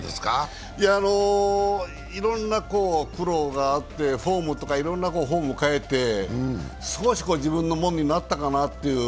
いろんな苦労があって、フォームとかいろいろ変えて少し自分のものになったかなっていう。